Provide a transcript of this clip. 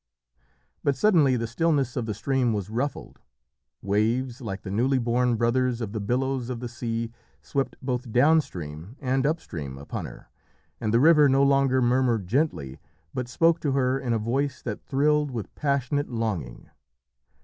But suddenly the stillness of the stream was ruffled. Waves, like the newly born brothers of the billows of the sea, swept both down stream and up stream upon her, and the river no longer murmured gently, but spoke to her in a voice that thrilled with passionate longing.